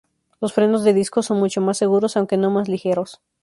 Los frenos de disco son mucho más seguros aunque no más ligeros.